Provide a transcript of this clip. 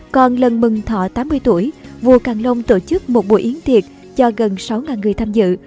còn lần mừng thọ tám mươi tuổi vua càng long tổ chức một buổi yến tiệc cho gần sáu người tham dự